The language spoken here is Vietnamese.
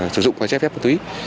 sử dụng và che phép ma túy